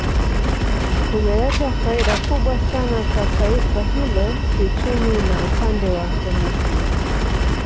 Kumeleta faida kubwa sana kwa taifa hilo kiuchumi na upande wa jamii pia